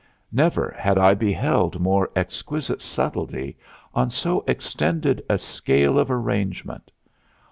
Never had I beheld more exquisite subtlety on so extended a scale of arrangement.